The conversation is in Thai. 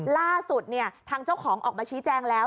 ล่าสุดเนี่ยทางเจ้าของออกมาชี้แจงแล้ว